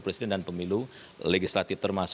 saya kira kalau saya melihat apa yang dihasilkan oleh komisi dua